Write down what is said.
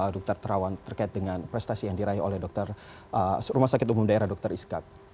dr terawan terkait dengan prestasi yang diraih oleh rumah sakit umum daerah dr iskak